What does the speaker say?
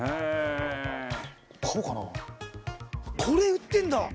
これ売ってるんだ！